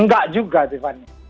enggak juga devani